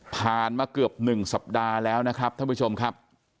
มาเกือบ๑สัปดาห์แล้วนะครับท่านผู้ชมครับ